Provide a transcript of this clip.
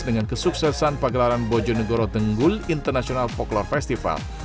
dengan kesuksesan pagelaran bojo nagoro tenggul international folklore festival